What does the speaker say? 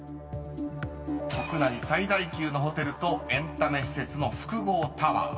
［国内最大級のホテルとエンタメ施設の複合タワー］